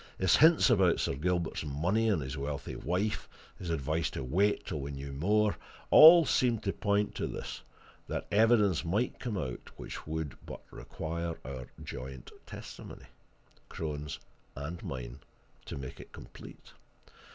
His hints about Sir Gilbert's money and his wealthy wife, his advice to wait until we knew more, all seemed to point to this that evidence might come out which would but require our joint testimony, Crone's and mine, to make it complete.